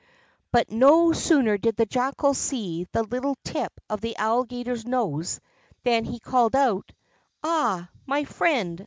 But no sooner did the Jackal see the little tip of the Alligator's nose than he called out: "Aha, my friend!